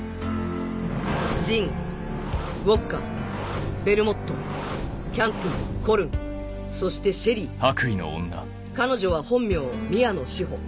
ジンウォッカベルモットキャンティコルンそしてシェリー彼女は本名宮野志保